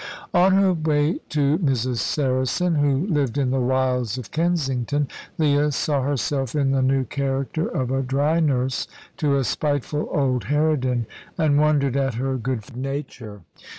On her way to Mrs. Saracen, who lived in the wilds of Kensington, Leah saw herself in the new character of dry nurse to a spiteful old harridan, and wondered at her good nature.